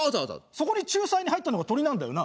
そこに仲裁に入ったのがトリなんだよな。